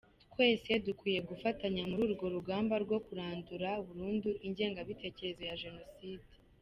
Twese dukwiye gufatanya muri urwo rugamba rwo kurandura burundu ingengabitekerezo ya Jenoside”.